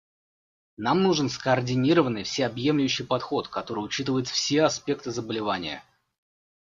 Нам нужен скоординированный, всеобъемлющий подход, который учитывает все аспекты заболевания.